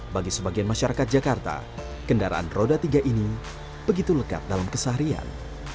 bagi sebagian masyarakat jakarta kendaraan roda tiga ini begitu lekat dalam keseharian